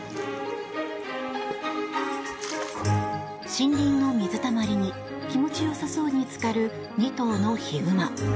森林の水たまりに気持ちよさそうにつかる２頭のヒグマ。